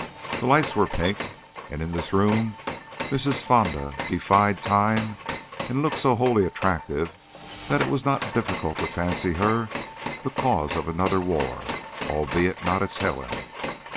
The lights were pink, and in this room Mrs. Fonda defied Time and looked so wholly attractive that it was not difficult to fancy her the cause of another war, albeit not its Helen.